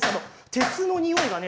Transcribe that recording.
鉄のにおいがね